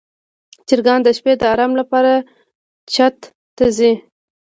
چرګان د شپې د آرام لپاره چت ته ځي.